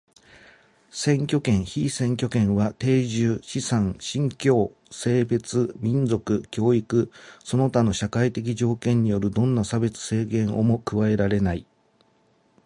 選挙権、被選挙権は定住、資産、信教、性別、民族、教育その他の社会的条件によるどんな差別、制限をも加えられない。